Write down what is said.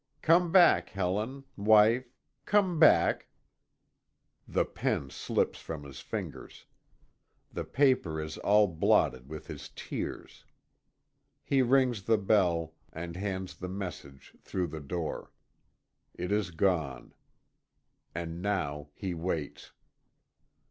Come back, Helen, wife, come back " The pen slips from his fingers. The paper is all blotted with his tears. He rings the bell, and hands the message through the door. It is gone. And now he waits.